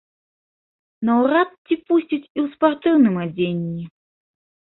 Наўрад ці пусцяць і ў спартыўным адзенні.